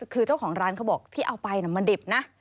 คือเจ้าของร้านเขาบอกที่เอาไปมันดิบนะ